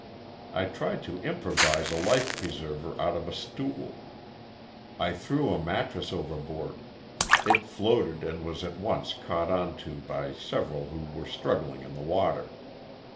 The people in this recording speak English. I tried to improvise a life preserver out of a stool. I threw a mattress overboard; it floated and was at once caught on to by several who were struggling in the water.